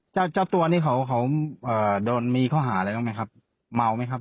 เจ้าเจ้าตัวนี้เขาเขาโดนมีข้อหาอะไรบ้างไหมครับเมาไหมครับ